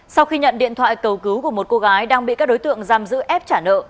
sau khi nhận điện thoại cầu cứu của một cô gái đang bị các đối tượng giam giữ ép trả nợ